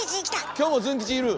今日もズン吉いる。